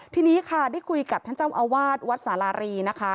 ทีนี้ค่ะได้คุยกับท่านเจ้าอาวาสวัดสารารีนะคะ